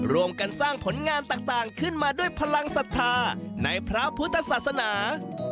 ร่วมกันสร้างผลงานต่างขึ้นมาด้วยพลังศรัทธาในพระพุทธศาสนา